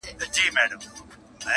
o سپرلی ټینګه وعده وکړي چي راځمه,